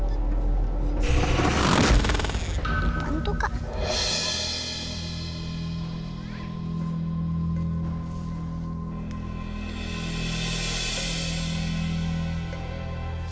apa itu kak